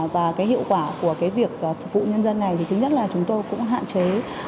và cái hiệu quả của cái việc phục vụ nhân dân này thì thứ nhất là chúng tôi cũng hạn chế